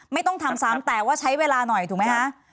ไม่ต้องทำซ้ำแต่ว่าใช้เวลาหน่อยถูกไหมคะ